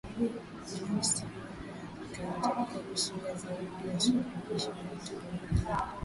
kibinafsi huenda zikahitajika kusonga zaidi ya suluhisho la kiteknolojia